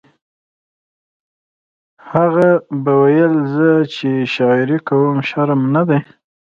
هغه به ویل زه چې شاعري کوم شرم نه دی